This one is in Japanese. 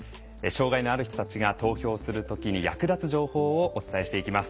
障害のある人たちが投票するときに役立つ情報をお伝えしていきます。